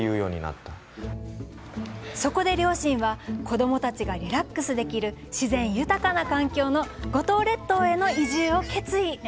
そこで両親は子どもたちがリラックスできる自然豊かな環境の五島列島への移住を決意！